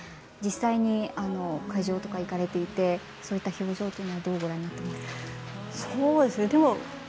実際に会場とか行かれていてそういった表情というのはどうご覧になっていますか。